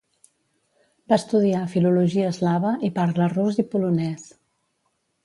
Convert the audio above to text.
Va estudiar filologia eslava i parla rus i polonès.